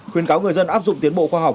khuyến cáo người dân áp dụng tiến bộ khoa học